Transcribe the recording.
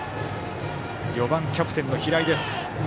４番、キャプテンの平井です。